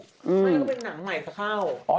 มันก็เป็นหนังใหม่จะเข้า